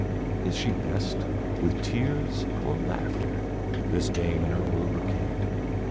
Is she best with tears or laughter, This dame in her old brocade?